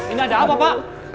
ini ada apa pak